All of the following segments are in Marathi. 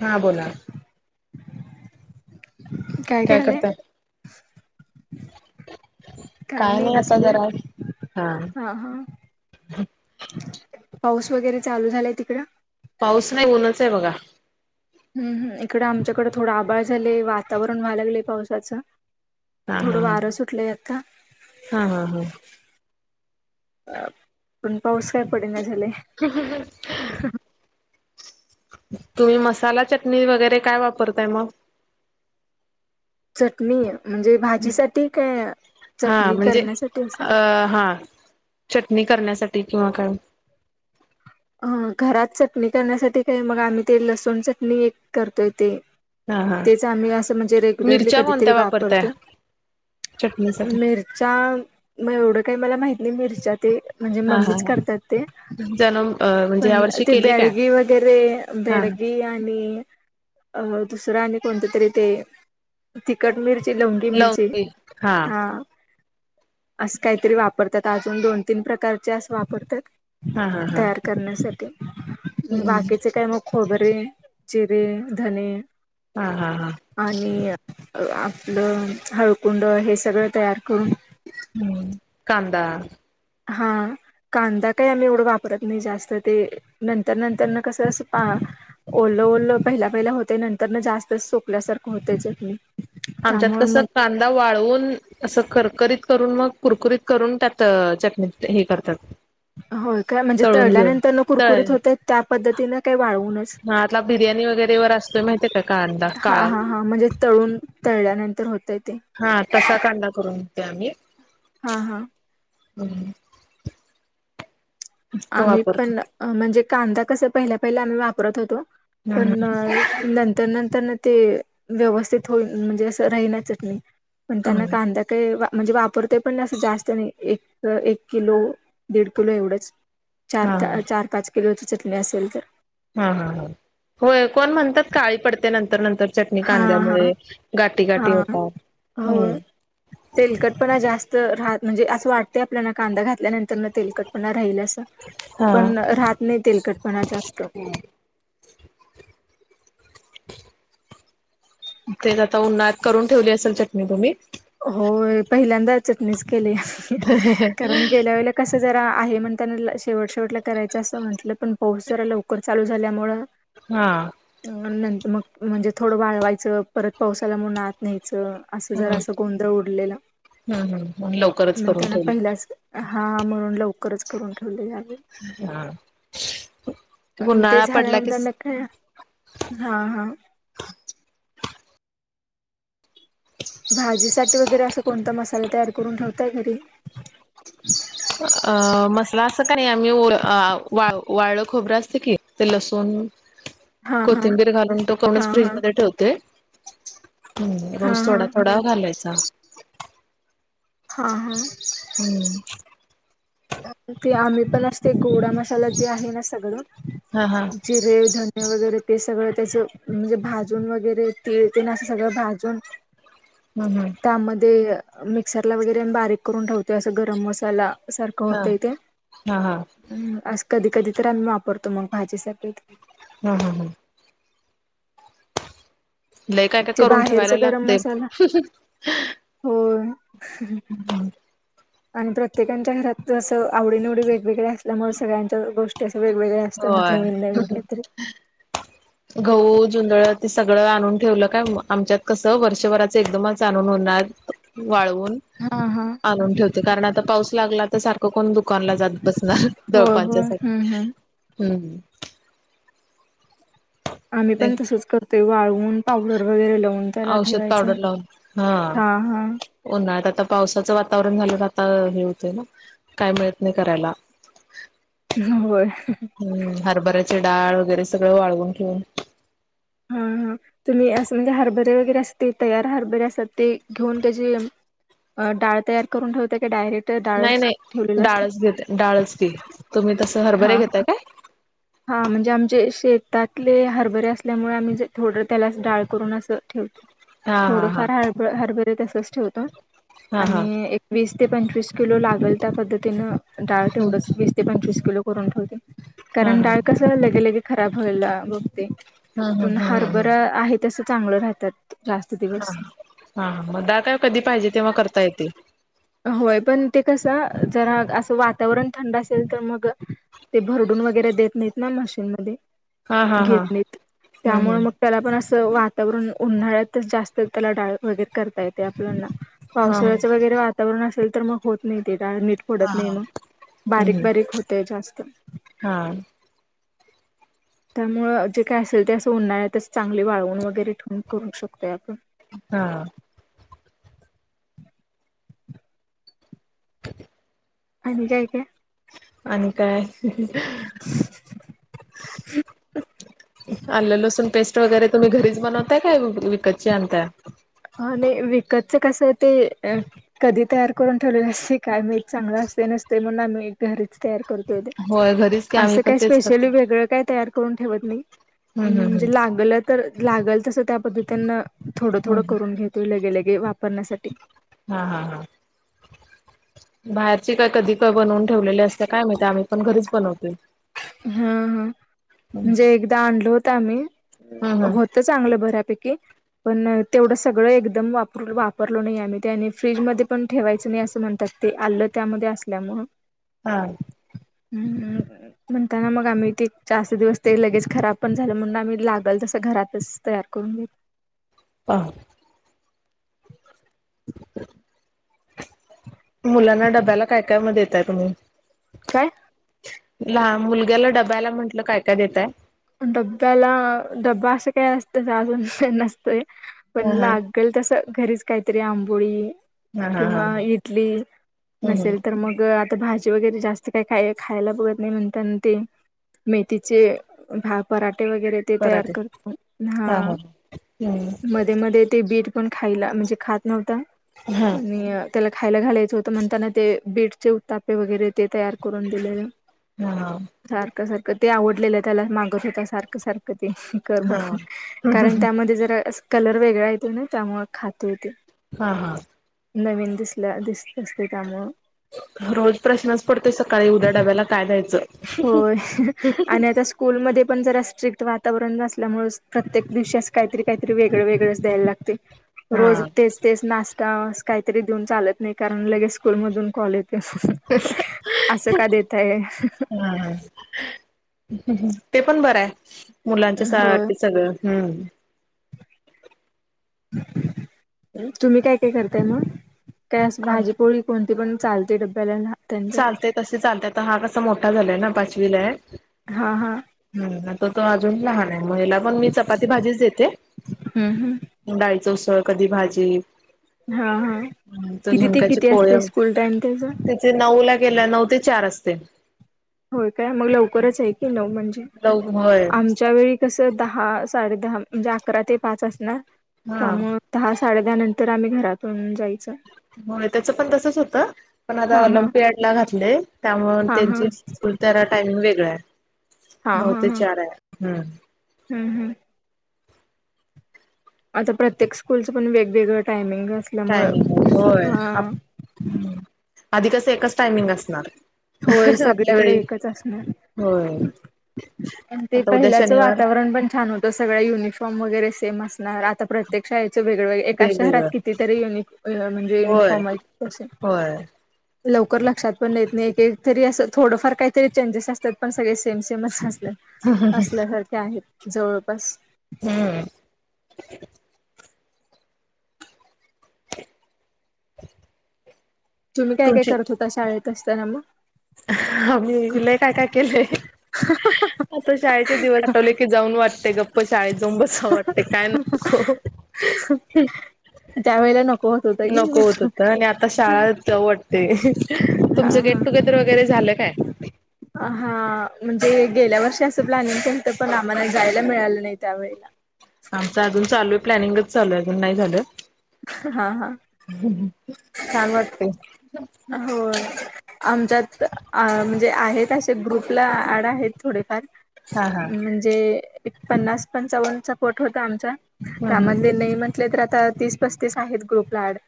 हा बोला. काय करायल्या? [inaudible] काय नाही आता जरा, हा. पाऊस वगैरे चालू झालाय तिकडं? पाऊस नाही उनच आहे बघा. हम्म हम्म, इकडं आमच्याकडं थोडं आभाळ झालंय वातावरण व्हाय लागलंय पावसाचं. हा हा थोडं हा. वारं सुटलंय आता. हा हा हा अ पण पाऊस काय पडेना झालाय. तुम्ही मसाला, चटणी वगैरे काय वापरताय मग? चटणी. म्हणजे भाजीसाठी का हा चटणी म्हणजे करण्यासाठी असं? नी करण्यासाठी किंवा काय? हा घरात चटणी करण्यासाठी काय मग आम्ही ते लसूण चटणी करतोय ते. हा हा. तेच आम्ही असं म्हणजे रेग्युलरली मिरच्या कधीतरी कोणत्या वापरताय वापरतो. चटणीसाठी? मिरच्या म एवढं काय मला माहित नाही मिरच्या ते, म्हणजे हा हा मम्मीच करतात ते. जणम म्हणजे या पण वर्षी ते केली काय? ब्याडगी वगैरे हा ब्याडगी आण णी अ दुसरं आणि कोणतं तरी ते तिखट मिर लं तर लव मिरची हा. असं काहीतरी वापरतात. अजून दोन तीन प्रकारचे असं वापरतात. हा हा हा. तयार करण्यासाठी. हम्म. बाकीचे काय म? खोबरे जिरे धने. हा हा हा आणि- आपलं हळकुंड हे सगळं तयार करून- हम्म कांदा- हा. कांदा काही आम्ही एवढं वापरत नाही जास्त. ते नंतर नंतर न कसं अस आं - ओल पहिल्या पहिला होते. नंतर ना, जास्त सुकल्या सारखं होते चटणी. आमच्यात त्यामुळे कस मग कांदा वाळवून, अस करकरीत- करून मग कुरकुरीत करून, त्यात चटणी हे करतात. होय काय? म्हणजे तळून घेऊन तळल्यानंतर न तळ कुरकुरीत होते त्या पद्धतीने का वाळवूनच? हा आपला बिर्याणी वगैरे व असतोय माहितीय का कांदा हा काळा हा हा म्हणजे [unintelligible] तळून तळल्यानंतर होतय. ते हा. तसा कांदा करून देते आम्ही. हा हा. हम्. आम्ही पण. म्हणजे कांदा कस पहिल्या पहिल्या आम्ही वापरत होतो. पण हम्म ना नंत- त्या नंतर ना ते, व्यवस्थित होईना म्हणजे असं राहिना चटणी. पण त्यांना हम्म कांदा काही- म्हणजे वापरते, पण नाही असं जास्त नाही एक किलो दीड किलो एवढंच. चार हा चार पाच किलोची चटणी असेल तर. हा हा. होय कोण म्हणतात काळी पडते नंतर. तर नंतर चटणी हा हा कांद्यामुळे गाठी गाठी हा होतात. हो हम्म. तेलकटपणा जास्त राहतो. म्हणजे असं वाटते आपल्याला कांदा घातल्यानंतर- तेलकटपणा राहील असं. पण हा राहात नाही तेलकटपणा जास्त. तेच आता उन्हाळ्यात करून ठेवली असेल चटणी तुम्ही? होय. पहिल्यांदा चटणीच केली. कारण गेल्या वेळेला कस- अस जरा आहे म्हणताना, शेवट शेवटला करायचं असं म्हटलं पण, पाऊस जरा लवकर चालू झाल्यामुळं- हा अ नंतर मग म्हणजे थोडं वाळवायचं, परत पाऊस आला म्हणून आत [unintelligible] अस हा जरास गोंधळ उडलेलं. हम् हम् म्हणून लवकरच करून म्हणतांना ठेवली पहिला - हा. म्हणून लवकरच करून ठेवले काय? हा. अन ते उन्हाळा पडला की झाल्यानंतर [unintelligible] हा हा. भाजीसाठी वगैरे असा कोणता मसाला तयार करून ठेवताय घरी? अ मसला असं का नाही? आम्हीओ वा वाळलं खोबरं असतं की ते लसूण- हा हा कोथिंबीर घालून तो कणस हा हा फ्रीजमध्ये ठेवते. हम् हा रोज थोडा हा थोडा घालायचा. हा हा. हम्म. ते आम्ही पण असते गोडा मसाला जे आहे ना सगळं हा हा जिरे, धन वगैरे ते सगळं त्याच म्हणजे भाजून वगैरे तीळ तेन असं सगळं भाजून हम् हम् त्यामध्ये अ मिक्सरला वगैरे बारीक करून ठेवतो अस गरम मसाला अस हा होतय ते हा हा अ आस कधी कधी तर आम्ही वापरतो मंग भाजीसाठी हूं हूं हूं लय काय काय ते करून बाहेरच ठेवायला गरम लागतय. मसाला होय [unintelligible] आणि प्रत्येकांच्या घरात जस आवडीनिवडी वेगवेगळया असल्यामुळे सगळ्यांच्या गोष्टी अस वेगवेगळे असतात होय नवीन नवीन कायतरी गहू, जुंदळ ते सगळं आणून ठेवलं काय आमच्यात कस वर्षभराच एकदमच आणून ऊन वाळ वाळवून हा हा आणून ठेवते कारण आता पाऊस लागला तर सार कोण दुकानला जात बसणार होय होय दळपांच्या साठी हम्म हम्म हम्म आम्ही पण तसच कर ते वाळवून पावडर वगैरे लावून त्याला औषध ठेवायच पावडर लावून हा हा उन्हाळ्यात आता पावसाचं वातावरण झालं आता हे होते ना काय मिळत नाय करायला. होय. हम्म हरभऱ्याचे डाळ वगैरे सगळं वाळवून ठेऊन. हं तुम्ही असं म्हणजे हरभरे वगैरे अस ते तयार हरभरे असतात ते घेऊन त्याजे अ डाळ तयार करून ठेवता का डायरेक्ट डाळ नाय नाय ठेवलेलं असते डाळच घेत डाळच की तुम्ही तस हरभरे हा घेताय काय? हा म्हणजे आमचे शेतातले हरभरे असल्यामुळे आम्ही थोडं त्याला डाळ करून असं ठेवतो. हा हा थोडंफार हरब हरभरे तसच ठेवतो हा हा आणि एकवीस ते पंचवीस किलो लागेल त्या पद्धतीनं डाळ हा तेवढंच वीस ते पंचवीस किलो करून ठेवते. ह हा कारण हा डाळकस लगेलगे खराब व्हायला बघते ह पण ह ह ह हारबर ह आहे तस चांगलं राहतात. जास्त हा दिवस हा म दाळ काय कधी पाहिजे तेव्हा करता येते. होय पण ते कसं जरा असं वातावरण थंड असेल तर मग ते भरडून वगैरे देत नाहीत ना मशीनमध्ये हा हा घेत हा नाहीत हम्म त्यामुळ हम्म मग त्याला पण अस त वातावरण उन्हाळ्यातच जास्त त्याला डाळ वगैरे करता येते आपल्याना हा हा पावसाळ्याचं वगैरे वातावरण असेल तर मग होत नाहीत. ती नीट पडत नाही मग बारीक हम्म बारीक होतय जास्त. हा त्यामुळे जे काय असेल ते असं उन्हाळयातच चांगले वाळवून वगैरे ठेवून करू शकतोय आप हा आणि काय काय आणि काय [inaudible] आलं लसूण पेस्ट वगैरे तुम्ही घरीच बनवताय काय विकतची आणताय. हा नाय विकतच कसं ते कधी तयार करून ठेवलेलं अस काय माहित चांगलं अस तयार ते नसतंय म्हणून आम्ही घरीचं तयार करतो ते होय घरीच की अस आम्ही पण काय तेच करतो. स्पेशली वेगळं काय त करून ठेवत नाही हम्म अ हम्म लागलं तर लागल तस त्या पद्धतीन थोड हम्म थोड हम्म करून घेतोय लगेलगे वापरण्यासाठी हा हा हा बाहेरची काय कधी काय बनवून ठेवलेले असते काय माहित आम्ही पण घरीच बनवतोय. हा हा हम्म म्हणजे एकदा आणल होत आम्ही हम्म होत चांगलं बऱ्यापैकी पण तेवढं सगळं एकदम वापर वापरलो नाही आम्ही ते आणि फ्रीजमध्ये पण ठेवायचं नाही असं म्हणतात. ते आलं त्यामध्ये असल्यामुळं हा हम् म्हणताना मग आम्ही ते चारच दिवस ते लगेज खराब पण झालं म्हणून आम्ही लागल तसं घरातच तयार करून घेत [inaudible] हा मुलांना डब्याला काय काय म दताय तुम्ही काय, ल मुलग्याला डबायला म्हंटलं काय काय देतय? डब्याला डबबा असं काही असतं जाग नसतं. पण हा हा लागल तस घरीच काहीतरी आंबोळी, हा हा हा किंवा हम्म इडली हम्म नसेल तर मग आता भाजी वगैरे जास्त काही काय खायला बघत नाही म्हणत ते मेथीचे भाहा पराठा [inaudible] वगैरे ते तयार पराठे करतो हा हा ह हम्म मध्ये मध्ये ते बी पण खायला म्हणजे खात नव्हता हा आणि त्याला खायला घालाय. होत म्हणताना ते बीटचे उतपे वगैरे ते तयार करून दिले हा सार सारखं ते आवडलेलं त्याला मागस होता सारं सारखं कर हा म्हणून हम्म कारण हम्म त्यामध्ये जरा कलर वेगळा येतो ना त्यामु खातो हो ते हा हा नवीन दिसलं दिसत असते त्यामु रोज प्रश्नच पडतोय सकाळी उद्या डाब्याला काय द्यायचं. होय आणि आता स्कूलमध्ये पण जरा स्ट्रिक्ट वातावरणसल्यामुळेच प्रत्येक दिवशी काहीतरी काहीतरी वेगळं वेगळेंच द्यायला लागते हा रोज हा तेच तेच नाशते. काहीतरी देऊन चालत नाही कारण लगेच स्कूलमधून कॉल असं का देतय. ह् ते पण बरं आहे मुलांच्या सा होय सगळं हम्म तुम्ही काय काय करताय मग, काय अस भाजीपोळी कोणती पण चालते डब्याला त्यांच्या चालते तस चालतय तर हा कसा मोठा झालाय ना पाचवीलाय हा हा हम तो तो अजून लहान ला पण मी चपाती भाजीच देते हम्म हम्म डा उसळ कधी भाजी हा हा त किती ते झुणकाचे किती पोळे असते स्कूल टाइम त्याचा? तिचे नऊ ला गेल्या नऊ ते चार असते. हो काय मग लवकरच आहे की न म्हणजे लव होय आमच्या वेळी कस दहा साडे दहा म्हणजे अकरा ते पाच असणार हा त्यामुळे दहा साडे दहा नंतर तर आम्ही घरातून जायचं. हो त्याच पण तसच होतं पण आता हा हा ऑलिम्पियड ला घातलंय. त्यामुळे हा हा त्यांची स्कूल त्यारा टाइमिंग वेगळ आहे. हा नऊ ते चार हम्म हम् हम् आता प्रत्येक स्कूलचं पण वेगवेगळं टाइमिंग टायमिंग होय आधी कस एकच टायमिंग असणार. होय, आपल्या सगळीकडे वेळी एकच होय असणार आणि ते आता उद्या पहिल्याचं शनिवार वातावरण पण छान होत. तो सगळळा युनिफॉर्म वगैरे सेम असणार आता प्रत्यक्ष वेग वगळे एका शहरात वेगवेगळं कितीतरी युन म्हणजे होय युनिफॉर्मल होय लवकर लक्षात पण देत नाही, एक एक तरी असं थोडंफार काहीतरी चेंजेस असतात पण सगळे सेम सेमच असतात. असल्यासारखे आहेत जवळपास हम्म [inaudible] तुम्ही काय काय तुमची करत होता, शाळेत असताना मग? आ्ही लय काय काय केलंय, आता शाळेचे दिवस आठवले की जाऊन वाटते गप्प शाळेेत तंबच आवडते काय नको, त्यावेेळेला नको होत होत की नाही नको मला. होत होत आणि आता शाळा जाऊ वटते, तुमच गेट टुगेदर वगैरे झालं काय. अ हा. म्हणजे गेल्या वर्षी असं प्लॅनिंगणत पण आम्हाला जायला मिळालं नाही त्यावेळेला. आमच अजून चालू आहे प्लॅनिंगच चालू आहे, अजून नाही झालं, हा हा छान वाटतेय. हो आमच्यात म्हणजे आहेत. ते ग्रुपला आड आहेत थोडेफार हा हा म्हणजे, एक पन्नास पंचावन्नचा पट होता आमचा हम्म हम्म त्यामध्ये नाही म्हटले तर आ तर तीस पस्तीस आहेत ग्रुप ऍड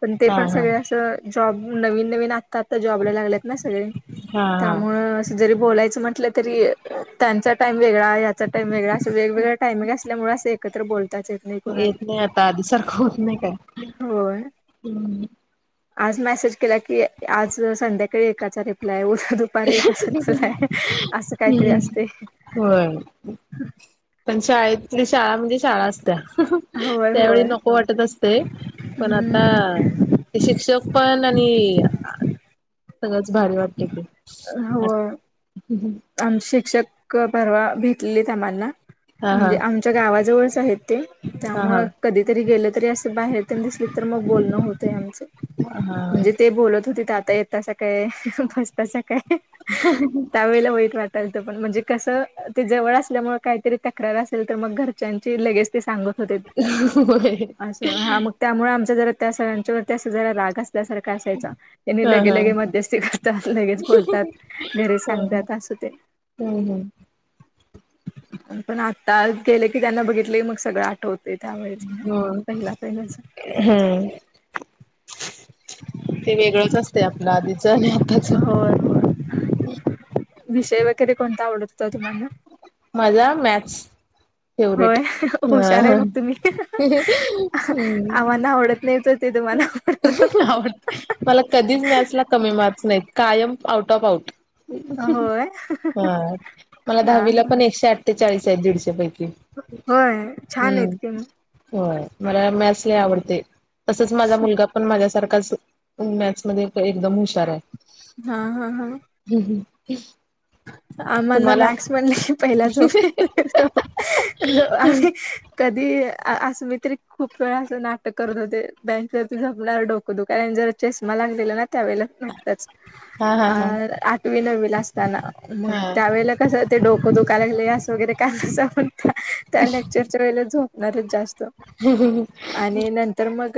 पण ते हा पण हा सगळे असं जॉब नवीन नवीन आत्ता आत्ता जॉबला लागल्यात ना सगळे हा हा त्यामुळ असं हा जरी बोलायचं म्हटलं, तरी त्यांचा टाइम वेगळा याचा टाइम वेगळा, वेगवेगळ टायमिंग असल्यामुळे असं एकत्र बोलताच येत नाही कुणाला. येत नाही आता आधी सारखं होत नाही काय होय! हम्म. आज मेसेज केला की, आज संध्याकाळी एकाचा रिप्लाय दुपारी एकाचा रिप्लाय असं काहीतरी असते. शाळेत कु शाळा, म्हणजे शाळा अस, होय त्यावेळी होय नको वाटत असते पण आता हम्म ते शिक्षक, पण आणि सगळंच भारी वाटते ते, अच ह [unintelligible] आम शिक्षक पररवा भेटलेले आम्हाना हा हा म्हणजे, आमच्या गावाजवळ ह ते हा हा त्यामुळं कधीतरी गेलं तरी असे बाहेर ते दिसले तर मग बोलणं होतं आहे आमचे हा म्हणजे ते बोलत होते ते आता येतसा काय फसता [unintelligible] त्यावेळेला होईल. ण म्हणजे कस जव असल्यामुळे कातरी तक्र असेल तरग घरच्यांचे लगेच ते सांगत होते, होय अस मग त्यामुळे आम जरा त्या सरांच्या वरती अस जला राग असल्यासारखा असायचा. त्यांनी हा लगे हा लगे मध्यस्थी करतात, लगेच बोलतात, घरी हम्म सांगतात, अस हम्म पण आता गेले की त्यांना बघितलंहा ले मग सगळं आठवते, त्यावे हो पहिला पहिलंचग. हम्म ते वेगळंच असत आपल्या आधीच आणि आताच होय ह [unintelligible] कोता आवडत होता हो तुम्हाला? माझा मॅथस फेवेट होय ह हुशार आहे मग तुम्ही ह, आम्हाना आवडत नाही तर ते तुम्हाला आवडत मला कधीच मॅथ्स ला कमी मार्क नाही का कायम आऊट ऑफ आउट होय मला हा दहावीला पण ऐकशेआठेचाळिस चाळीस आहे दीडशपैकी होय छान हम्म आहेत की मग होय, मला मॅथ्स ला आवडते तसच माझा मुलगा पण माझ्यासारखा च मॅथ्स मध्ये एकदम हुशार आहे. हा हा हा. ह आम्हाना मॅक्स म्हणले क पहिला झोप आम्ही. असं मी तरी खूप वेळा असं नाटक करत होते बँंच वरती जपणार डोकं दुखवल आणि जर चष्मा लागले ना, त्यावेळेला नुकताच हा हा अ हा आठवी नववी ला असताना. मग हा त्यावेेळेला कस, ते डोकं दुखा लागलय असं, वगैरे काय पण सांगून त्या त्या लेक्चरच्या वेळेला झोपणार. जास्त आणि नंतर मग,